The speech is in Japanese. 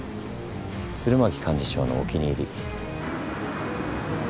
鶴巻幹事長のお気に入り。